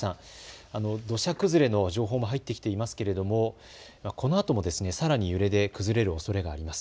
土砂崩れの情報も入っててきていますけれどもこのあともさらに揺れで崩れるおそれがあります。